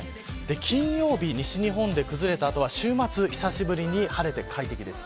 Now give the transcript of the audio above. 金曜日、西日本で崩れた後は週末久しぶりに晴れて快適です。